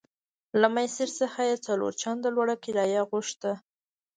له ماسیر څخه یې څلور چنده لوړه کرایه غوښته.